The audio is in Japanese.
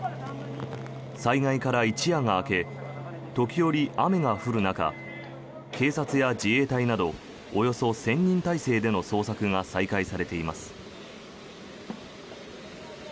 災害から一夜が明け時折、雨が降る中警察や自衛隊などおよそ１０００人態勢での捜索が再開されています。